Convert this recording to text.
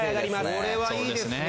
これはいいですね。